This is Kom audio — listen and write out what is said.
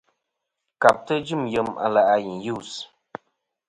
Kabtɨ jɨm yem a lè' a i yus.